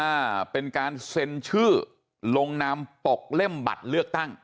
อ่าเป็นการเซ็นชื่อลงนามปกเล่มบัตรเลือกตั้ง